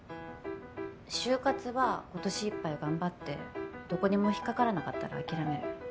就活は今年いっぱい頑張ってどこにも引っかからなかったら諦める。